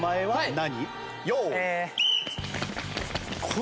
何？